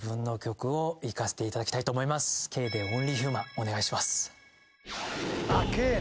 お願いします。